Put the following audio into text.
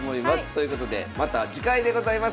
ということでまた次回でございます。